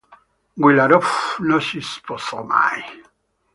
Guilaroff non si sposò mai.